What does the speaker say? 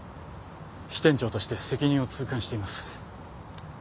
支店長として責任を痛感しています。